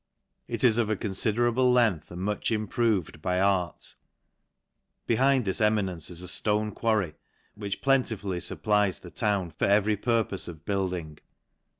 Lt is of a confiderable length, and much improved :>y art. Behind this eminence is a ftone quarry, which plentifully fupplies the town for every pur N 3 pofe 270 LANCASHIRE. I ' pofe of building.